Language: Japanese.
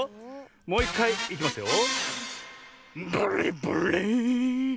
もういっかいいきますよ。